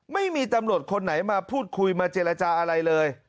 ไม่มีตำรวจคนไหนมาพูดคุยมาเจรจาอะไรเลย